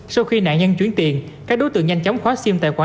sau khi nạn nhân chuyển tiền các đối tượng nhanh chóng khóa sim tài khoản